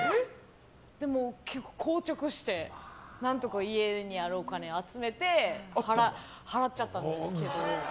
もう硬直して何とか家に集めたお金を集めて払っちゃったんですけど。